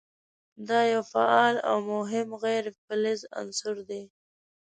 دا یو فعال او مهم غیر فلز عنصر دی.